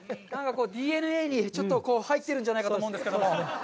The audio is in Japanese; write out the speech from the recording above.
なんか、ＤＮＡにちょっと入ってるんじゃないかと思うんですけれども。